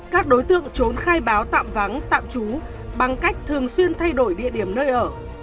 các đối tượng trốn khai báo tạm vắng tạm trú bằng cách thường xuyên thay đổi địa điểm nơi ở